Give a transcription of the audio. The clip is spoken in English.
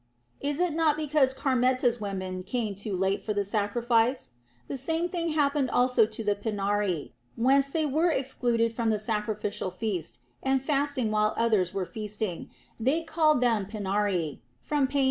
Is it not because Carmenta's women came too late for the sacrifices ] The same thing happened also to the Pinarii ; whence they were excluded from the sacrifi cial feast, and fasting while others were feasting, they were called Pinarii (from πεινάω).